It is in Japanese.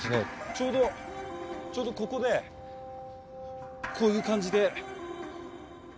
ちょうどちょうどここでこういう感じでこの辺りをですね。